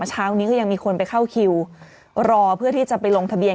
เช้านี้ก็ยังมีคนไปเข้าคิวรอเพื่อที่จะไปลงทะเบียน